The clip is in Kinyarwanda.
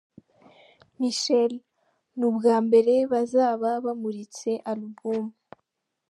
Michel, ni ubwa mbere bazaba bamuritse alubumu.